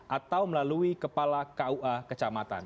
atau melalui kepala kua kecamatan